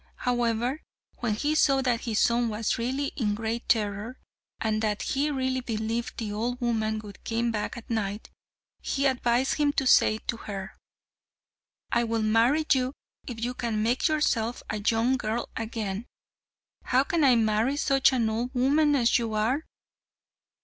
However, when he saw that his son was really in great terror, and that he really believed the old woman would came back at night, he advised him to say to her, "I will marry you if you can make yourself a young girl again. How can I marry such an old woman as you are?"